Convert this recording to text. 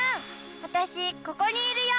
わたしここにいるよ。